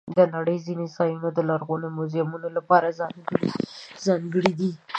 د نړۍ ځینې ځایونه د لرغوني میوزیمونو لپاره ځانګړي دي.